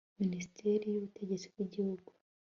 minisiteri y'ubutegesti bw'igihugu